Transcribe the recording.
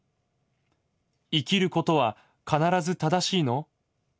生きることは必ず正しいの？